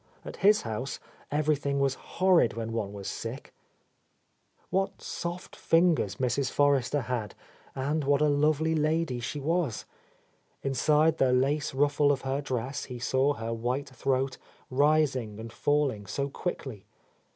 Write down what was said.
At his house everything was horrid when one was sick. ... What soft fingers Mrs. Forrester had, and what a lovely lady she was. Inside the lace ruffle of her dress he saw her white throat rising and falling so quickly.